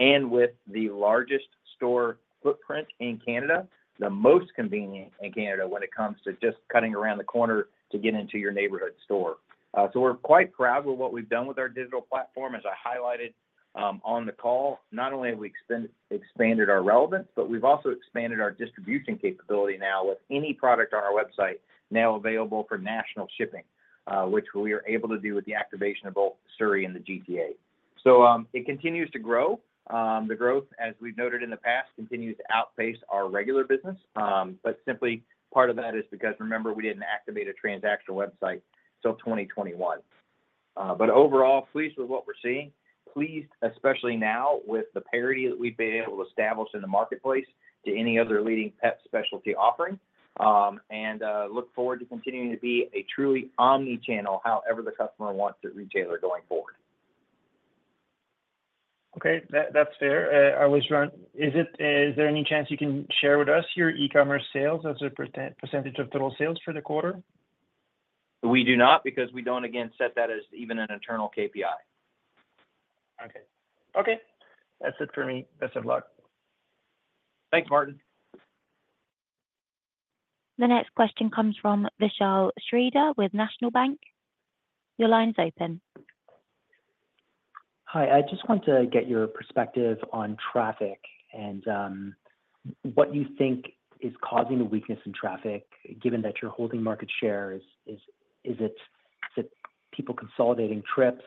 and with the largest store footprint in Canada, the most convenient in Canada when it comes to just cutting around the corner to get into your neighborhood store. So we're quite proud of what we've done with our digital platform, as I highlighted on the call. Not only have we expanded our relevance, but we've also expanded our distribution capability now with any product on our website now available for national shipping, which we are able to do with the activation of both Surrey and the GTA. So it continues to grow. The growth, as we've noted in the past, continues to outpace our regular business. But simply part of that is because, remember, we didn't activate a transactional website until 2021. But overall, pleased with what we're seeing. Pleased, especially now with the parity that we've been able to establish in the marketplace to any other leading pet specialty offering. And look forward to continuing to be a truly omnichannel, however the customer wants to retail it going forward. Okay. That's fair. I was wondering, is there any chance you can share with us your e-commerce sales as a percentage of total sales for the quarter? We do not because we don't, again, set that as even an internal KPI. Okay. Okay. That's it for me. Best of luck. Thanks, Martin. The next question comes from Vishal Shreedhar with National Bank. Your line's open. Hi. I just want to get your perspective on traffic and what you think is causing the weakness in traffic, given that you're holding market share. Is it people consolidating trips?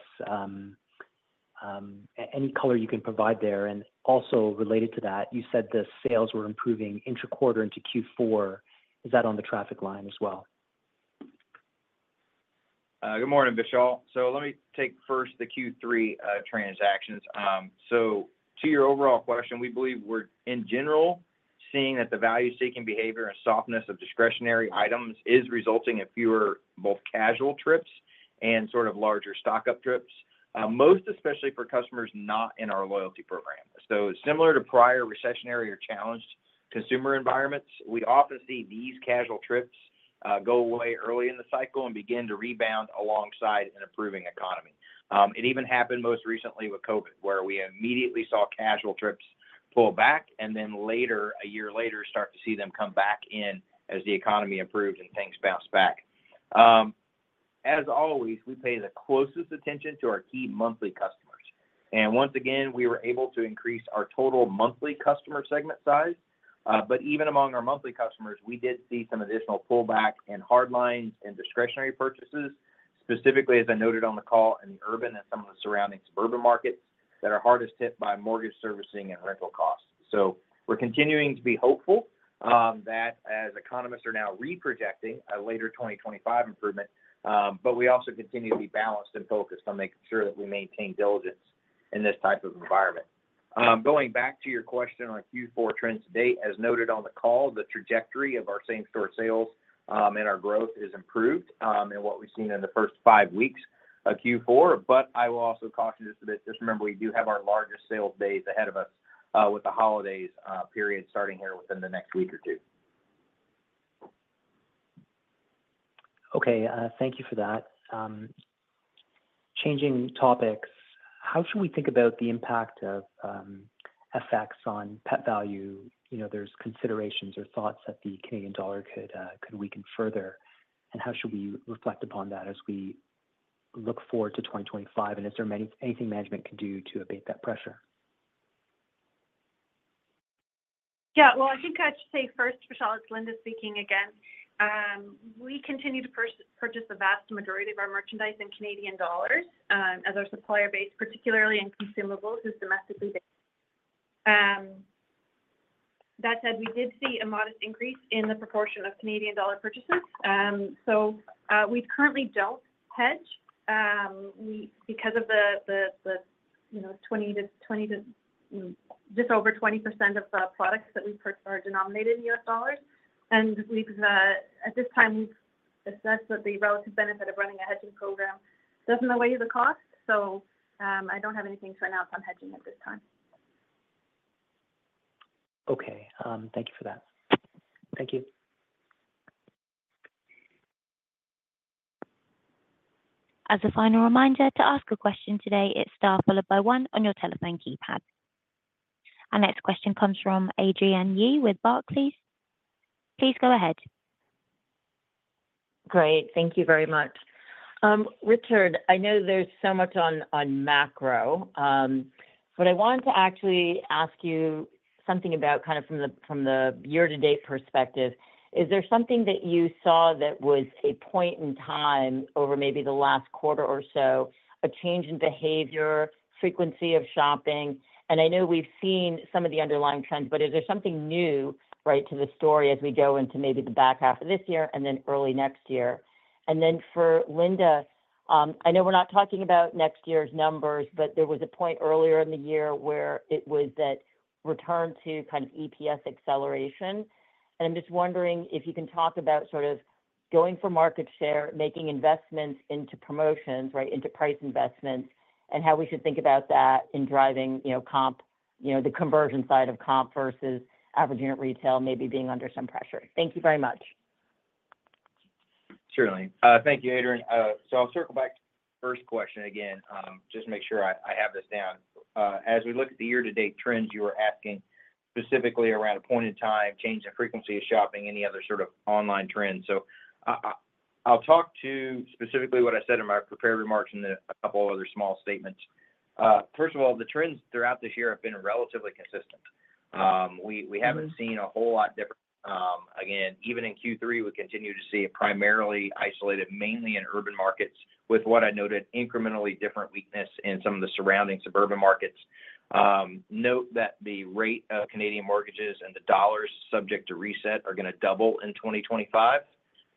Any color you can provide there. And also related to that, you said the sales were improving intra-quarter into Q4. Is that on the traffic line as well? Good morning, Vishal. So let me take first the Q3 transactions. To your overall question, we believe we're in general seeing that the value-seeking behavior and softness of discretionary items is resulting in fewer both casual trips and sort of larger stock-up trips, most especially for customers not in our loyalty program. Similar to prior recessionary or challenged consumer environments, we often see these casual trips go away early in the cycle and begin to rebound alongside an improving economy. It even happened most recently with COVID, where we immediately saw casual trips pull back and then later, a year later, start to see them come back in as the economy improved and things bounced back. As always, we pay the closest attention to our key monthly customers. And once again, we were able to increase our total monthly customer segment size. But even among our monthly customers, we did see some additional pullback in hard lines and discretionary purchases, specifically, as I noted on the call, in the urban and some of the surrounding suburban markets that are hardest hit by mortgage servicing and rental costs. So we're continuing to be hopeful that as economists are now reprojecting a later 2025 improvement, but we also continue to be balanced and focused on making sure that we maintain diligence in this type of environment. Going back to your question on Q4 trends to date, as noted on the call, the trajectory of our same-store sales and our growth is improved in what we've seen in the first five weeks of Q4. But I will also caution just a bit. Just remember, we do have our largest sales days ahead of us with the holidays period starting here within the next week or two. Okay. Thank you for that. Changing topics, how should we think about the impact of effects on Pet Valu? There's considerations or thoughts that the Canadian dollar could weaken further. And how should we reflect upon that as we look forward to 2025? And is there anything management can do to abate that pressure? Yeah. Well, I think I should say first, Vishal, it's Linda speaking again. We continue to purchase the vast majority of our merchandise in Canadian dollars as our supplier base, particularly in consumables as domestically based. That said, we did see a modest increase in the proportion of Canadian dollar purchases. So we currently don't hedge because 20% to just over 20% of the products that we purchase are denominated in U.S. dollars. And at this time, we've assessed that the relative benefit of running a hedging program doesn't outweigh the cost. So I don't have anything to announce on hedging at this time. Okay. Thank you for that. Thank you. As a final reminder, to ask a question today, it's star followed by one on your telephone keypad. Our next question comes from Adrianne Yih with Barclays. Please go ahead. Great. Thank you very much. Richard, I know there's so much on macro, but I wanted to actually ask you something about kind of from the year-to-date perspective. Is there something that you saw that was a point in time over maybe the last quarter or so, a change in behavior, frequency of shopping? And I know we've seen some of the underlying trends, but is there something new, right, to the story as we go into maybe the back half of this year and then early next year? And then for Linda, I know we're not talking about next year's numbers, but there was a point earlier in the year where it was that return to kind of EPS acceleration. And I'm just wondering if you can talk about sort of going for market share, making investments into promotions, right, into price investments, and how we should think about that in driving comp, the conversion side of comp versus average unit retail maybe being under some pressure. Thank you very much. Certainly. Thank you, Adrian. So I'll circle back to the first question again, just to make sure I have this down. As we look at the year-to-date trends, you were asking specifically around a point in time, change in frequency of shopping, any other sort of online trends, so I'll talk to specifically what I said in my prepared remarks and a couple of other small statements. First of all, the trends throughout this year have been relatively consistent. We haven't seen a whole lot different. Again, even in Q3, we continue to see it primarily isolated, mainly in urban markets, with what I noted, incrementally different weakness in some of the surrounding suburban markets. Note that the rate of Canadian mortgages and the dollars subject to reset are going to double in 2025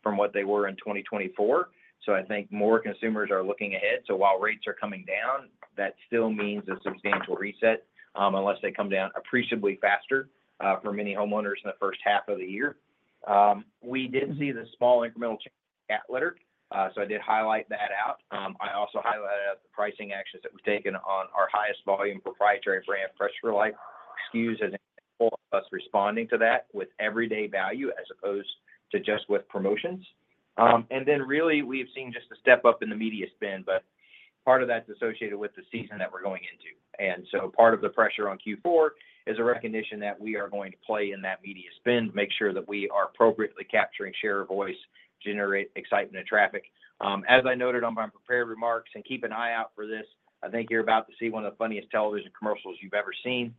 from what they were in 2024, so I think more consumers are looking ahead. So while rates are coming down, that still means a substantial reset unless they come down appreciably faster for many homeowners in the first half of the year. We did see the small incremental change in cat litter, so I did highlight that out. I also highlighted out the pricing actions that we've taken on our highest volume proprietary brand Performatrin line SKUs as an example of us responding to that with everyday value as opposed to just with promotions. And then really, we've seen just a step-up in the media spend, but part of that's associated with the season that we're going into. And so part of the pressure on Q4 is a recognition that we are going to play in that media spend, make sure that we are appropriately capturing share of voice, generate excitement of traffic. As I noted on my prepared remarks, and keep an eye out for this, I think you're about to see one of the funniest television commercials you've ever seen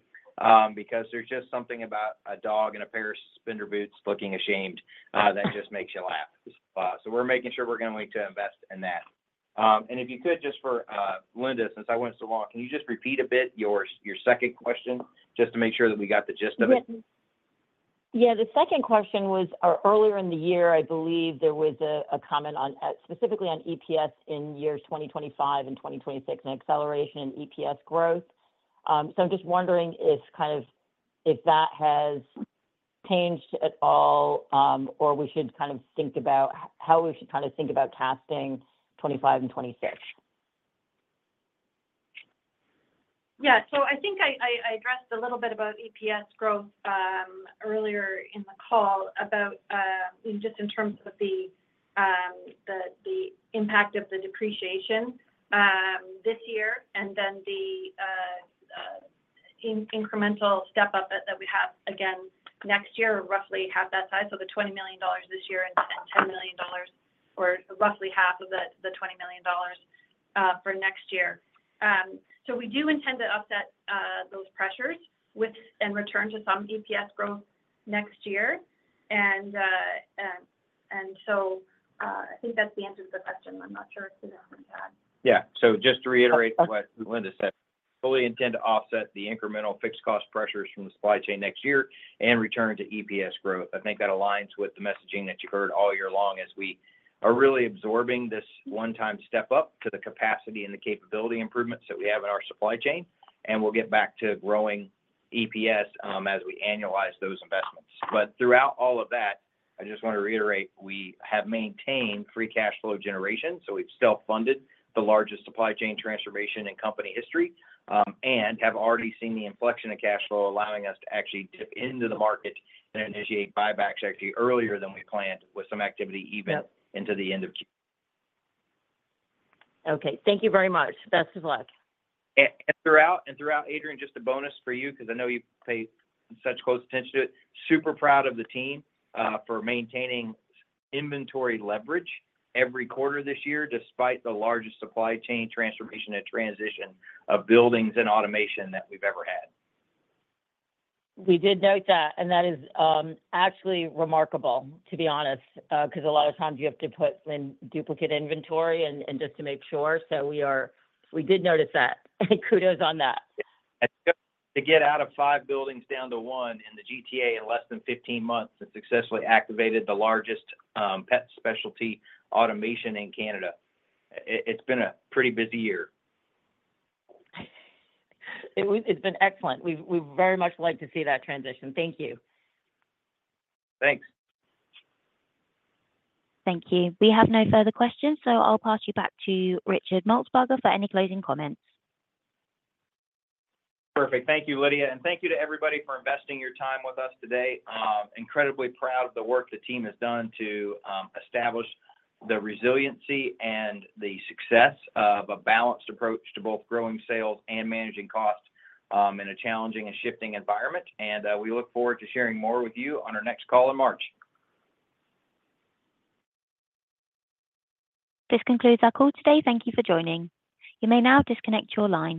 because there's just something about a dog in a pair of spandex boots looking ashamed that just makes you laugh. So we're making sure we're going to need to invest in that. And if you could, just for Linda, since I went so long, can you just repeat a bit your second question just to make sure that we got the gist of it? Yeah. The second question was earlier in the year, I believe there was a comment specifically on EPS in years 2025 and 2026 and acceleration in EPS growth. So I'm just wondering if that has changed at all or we should kind of think about how we should kind of think about casting 2025 and 2026. Yeah. So I think I addressed a little bit about EPS growth earlier in the call about just in terms of the impact of the depreciation this year and then the incremental step-up that we have again next year, roughly half that size. So the 20 million dollars this year and 10 million dollars or roughly half of the 20 million dollars for next year. So we do intend to offset those pressures and return to some EPS growth next year. And so I think that's the answer to the question. I'm not sure if we have anything to add. Yeah. So just to reiterate what Linda said, fully intend to offset the incremental fixed cost pressures from the supply chain next year and return to EPS growth. I think that aligns with the messaging that you've heard all year long as we are really absorbing this one-time step-up to the capacity and the capability improvements that we have in our supply chain. And we'll get back to growing EPS as we annualize those investments. But throughout all of that, I just want to reiterate, we have maintained free cash flow generation. So we've self-funded the largest supply chain transformation in company history and have already seen the inflection of cash flow allowing us to actually dip into the market and initiate buybacks actually earlier than we planned with some activity even into the end of Q. Okay. Thank you very much. Best of luck. And throughout, Adrian, just a bonus for you because I know you pay such close attention to it. Super proud of the team for maintaining inventory leverage every quarter this year despite the largest supply chain transformation and transition of buildings and automation that we've ever had. We did note that, and that is actually remarkable, to be honest, because a lot of times you have to put in duplicate inventory and just to make sure, so we did notice that. Kudos on that to get out of five buildings down to one in the GTA in less than 15 months and successfully activated the largest pet specialty automation in Canada. It's been a pretty busy year. It's been excellent. We'd very much like to see that transition. Thank you. Thanks. Thank you. We have no further questions, so I'll pass you back to Richard Maltsbarger for any closing comments. Perfect. Thank you, Lydia, and thank you to everybody for investing your time with us today. Incredibly proud of the work the team has done to establish the resiliency and the success of a balanced approach to both growing sales and managing costs in a challenging and shifting environment. And we look forward to sharing more with you on our next call in March. This concludes our call today. Thank you for joining. You may now disconnect your line.